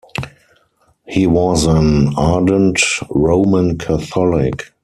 He was an ardent Roman Catholic.